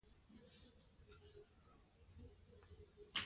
هغه به په آرامه ژوند وکړي.